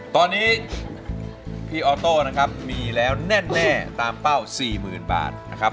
ตอนนี้พี่ออโต้นะครับมีแล้วแน่ตามเป้า๔๐๐๐บาทนะครับ